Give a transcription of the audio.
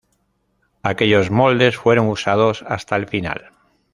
Aquellos moldes fueron usados hasta el final.